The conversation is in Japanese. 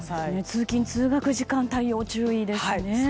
通勤・通学時間帯要注意ですね。